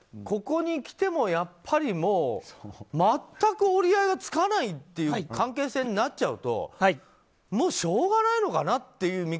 ここにきてもやっぱり全く折り合いがつかないという関係性になっちゃうとしょうがないのかなという